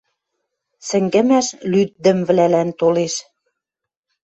Сӹнгӹмӓш лӱддӹмвлӓлӓн толеш